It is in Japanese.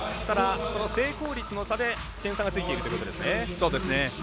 この成功率の差で点差がついているということですね。